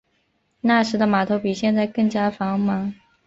那时的码头比现在更加繁忙。